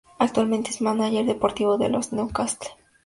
Actualmente es mánager deportivo de los Newcastle Falcons.